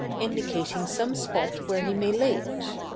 indicating some spot where he may lay it.